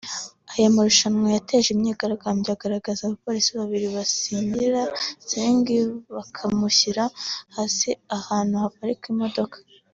Ayo mashusho yateje imyigaragambyo agaragaza abapolisi babiri basingira Sterling bakamushyira hasi ahantu haparikwa imodoka